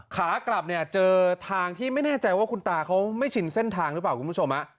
ขากลับเนี่ยเจอทางที่ไม่แน่ใจว่าคุณตาเขาไม่ชินเส้นทางหรือเปล่าคุณผู้ชม